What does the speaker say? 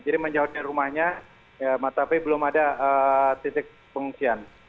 jadi menjauh dari rumahnya tapi belum ada titik pengungsian